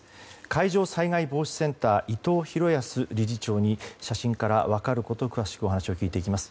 海上災害防止センター伊藤裕康理事長に写真から分かることを詳しく聞いていきます。